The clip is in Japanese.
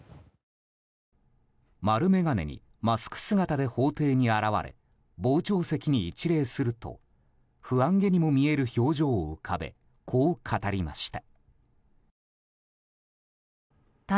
丸眼鏡にマスク姿で法廷に現れ傍聴席に一礼すると不安げにも見える表情を浮かべこう語りました。